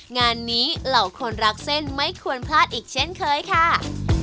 งานนี้เหล่าคนรักเส้นไม่ควรพลาดอีกเช่นเคยค่ะ